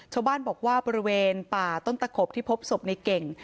ชาวบ้านบอกว่าบริเวณป่าต้นตะขบที่พบศพในเก่ง